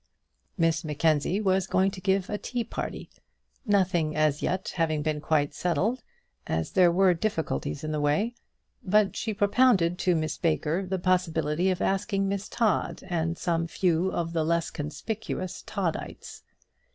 Miss Mackenzie was going to give a tea party, nothing as yet having been quite settled, as there were difficulties in the way; but she propounded to Miss Baker the possibility of asking Miss Todd and some few of the less conspicuous Toddites.